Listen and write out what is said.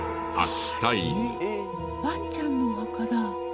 ワンちゃんのお墓だ。